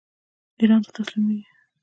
ایران ته تسلیمیږي.